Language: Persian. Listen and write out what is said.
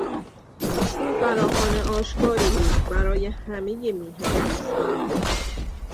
این فراخوان آشکاری بود برای همهی میهن دوستان.